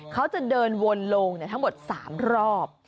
เขาจะเดินวนลงทั้งหมด๓รอบ